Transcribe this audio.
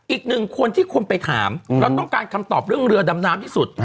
อีกหนึ่งคนที่คนไปถามเราต้องการคำตอบเรื่องเรือดำน้ำที่สุด